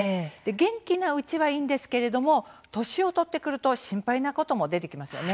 元気なうちはいいんですけれども年を取ってくると心配なことも出てきます。